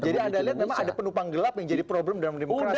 jadi anda lihat memang ada penumpang gelap yang jadi problem dalam demokrasi